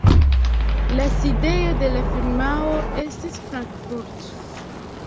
La sidejo de la firmao estis Frankfurt.